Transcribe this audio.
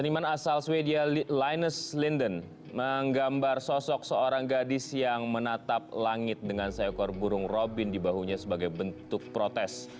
seniman asal swedia lines lindan menggambar sosok seorang gadis yang menatap langit dengan seekor burung robin di bahunya sebagai bentuk protes